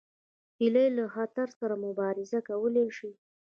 هیلۍ له خطر سره مبارزه کولی شي